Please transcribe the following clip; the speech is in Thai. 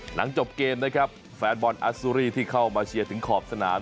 หลังจบเกมนะครับแฟนบอลอัสซูรีที่เข้ามาเชียร์ถึงขอบสนาม